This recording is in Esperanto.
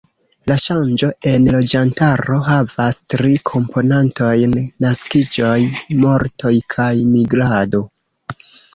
La ŝanĝo en loĝantaro havas tri komponantojn: naskiĝoj, mortoj kaj migrado.